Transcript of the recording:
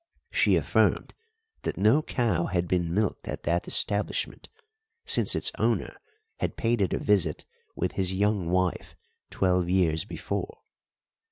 She affirmed that no cow had been milked at that establishment since its owner had paid it a visit with his young wife twelve years before.